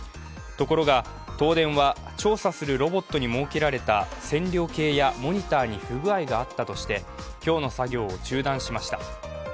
ところが東電は、調査するロボットに設けられた線量計やモニターに不具合があったとして今日の作業を中断しました。